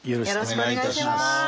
よろしくお願いします。